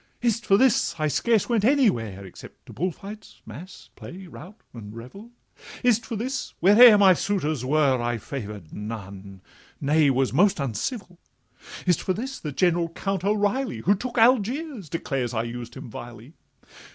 Is it for this I scarce went anywhere, Except to bull fights, mass, play, rout, and revel? Is it for this, whate'er my suitors were, I favor'd none—nay, was almost uncivil? Is it for this that General Count O'Reilly, Who took Algiers, declares I used him vilely?